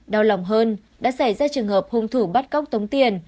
đau lòng hơn đã xảy ra trường hợp hung thủ bắt cóc tống tiền